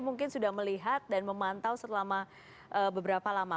mungkin sudah melihat dan memantau selama beberapa lama